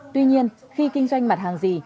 tuy nhiên khi kinh doanh mặt hàng gì